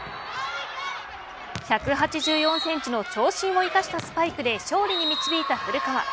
１８４センチの長身を生かしたスパイクで勝利に導いた古川。